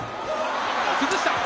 崩した。